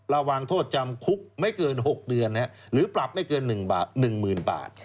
ระวังโทษจำคุกไม่เกิน๖เดือนหรือปรับไม่เกิน๑๐๐๐บาท